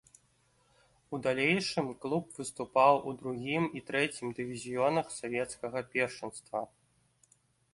У далейшым клуб выступаў у другім і трэцім дывізіёнах савецкага першынства.